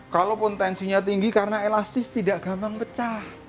kalaupun tensinya tinggi karena elastis tidak gampang pecah